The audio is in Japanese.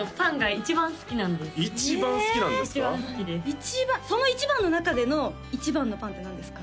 一番好きです一番その一番の中での一番のパンって何ですか？